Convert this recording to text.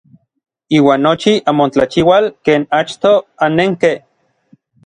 Iuan nochi anmotlachiual ken achtoj annenkej.